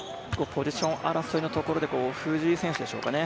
ポジション争いのところで藤井選手でしょうかね？